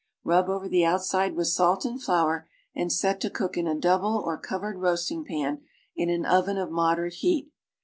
Rub over the outside with salt and flour, and set to cook in a double or covered roasting pan in an oven of moderate heat.